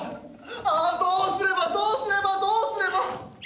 ああ、どうすればどうすれば、どうすれば！